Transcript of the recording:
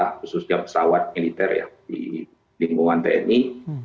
khususnya pesawat militer ya di lingkungan tni